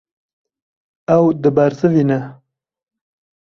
Ew dibersivîne.